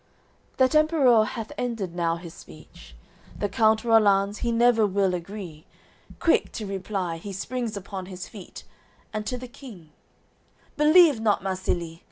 AOI. XIV That Emperour hath ended now his speech. The Count Rollanz, he never will agree, Quick to reply, he springs upon his feet; And to the King, "Believe not Marsilie.